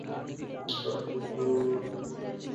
হাত মুখ ধুয়ে এস, ভাত দিচ্ছি।